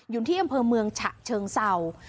อยู่ที่อำเภอเมืองฉะเชิงเศร้า